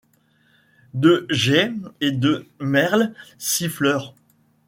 De geais et de merles siffleurs. —